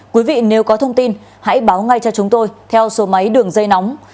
quý vị nếu có thông tin hãy báo ngay cho chúng tôi theo số máy đường dây nóng sáu mươi chín hai trăm ba mươi bốn